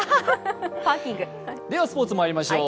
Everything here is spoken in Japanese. ではスポーツまいりましょう。